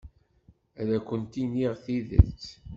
Ad akent-iniɣ tidet.